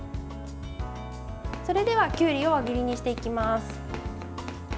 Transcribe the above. それでは、きゅうりを輪切りにしていきます。